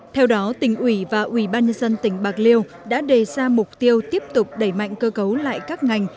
theo đó tỉnh ủy và ủy ban nhân dân tỉnh bạc liêu đã đề ra mục tiêu tiếp tục đẩy mạnh cơ cấu lại các ngành